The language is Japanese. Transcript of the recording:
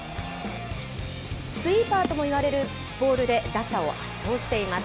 スイーパーともいわれるボールで打者を圧倒しています。